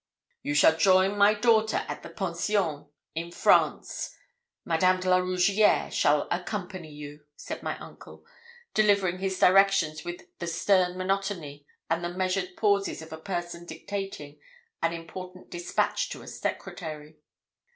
'You shall join my daughter at the Pension, in France; Madame de la Rougierre shall accompany you,' said my uncle, delivering his directions with the stern monotony and the measured pauses of a person dictating an important despatch to a secretary.'